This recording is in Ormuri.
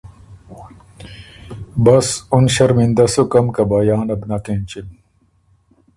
بس اُن ݭرمندۀ سُکم که بیانه بو نک اېنچِم۔